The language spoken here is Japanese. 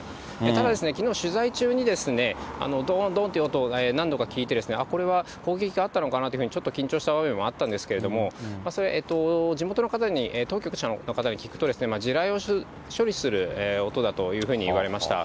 ただ、きのう取材中に、どーんどーんという音、何度か聞いて、あっ、これは攻撃があったのかなっていうふうにちょっと緊張した場面もあったんですけれども、それは地元の方に、当局者の方に聞くと、地雷を処理する音だというふうに言われました。